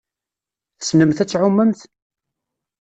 Tessnemt ad tɛummemt?